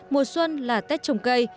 mùa xuân là tết trồng cây